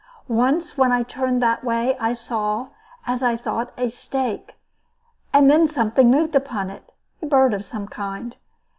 Once when I turned that way I saw, as I thought, a stake, and then something moved upon it, a bird of some kind.